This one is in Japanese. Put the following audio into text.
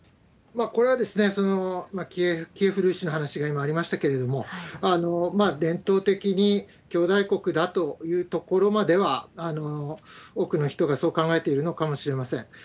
これはキエフ・ルーシの話が今、ありましたけれども、伝統的に兄弟国だというところまでは、多くの人がそう考えているのかもしれません。